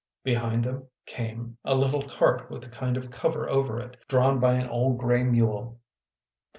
Behind them came a little cart with a kind of cover over it, drawn by an old gray mule.